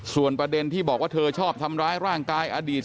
ส่วนประเด็นที่บอกว่าเธอชอบทำร้ายร่างกายอดีต